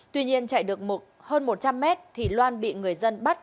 tuy nhiên chạy được hơn một trăm linh mét thì loan bị người dân bắt